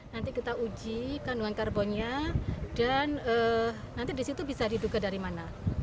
nanti kita uji kandungan karbonnya dan nanti di situ bisa diduga dari mana